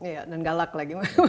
iya dan galak lagi